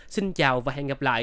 xin chào và hẹn gặp lại